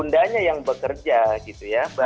undangnya yang bekerja gitu ya